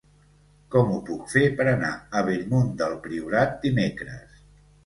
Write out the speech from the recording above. Com ho puc fer per anar a Bellmunt del Priorat dimecres?